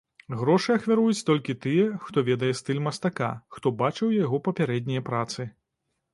Грошы ахвяруюць толькі тыя, хто ведае стыль мастака, хто бачыў яго папярэднія працы.